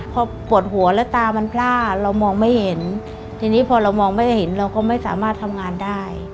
พอปวดหัวแล้วตามันพล่าเรามองไม่เห็นทีนี้พอเรามองไม่เห็นเราก็ไม่สามารถทำงานได้